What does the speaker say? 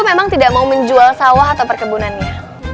memang tidak mau menjual sawah atau perkebunannya